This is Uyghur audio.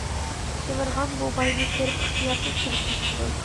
شىۋىرغان بۇ باينى كۆرۈپ ئىختىيارسىز كۈلۈپ كېتىپتۇ.